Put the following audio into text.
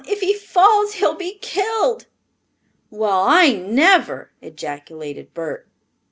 If he falls, he'll be killed." "Well, I never!" ejaculated Bert.